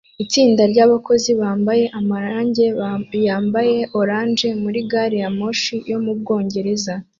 Itsinda ryabakozi bambaye amarangi yambara orange muri gari ya moshi yo mu Bwongereza